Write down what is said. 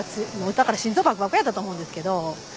だから心臓バクバクやったと思うんですけど。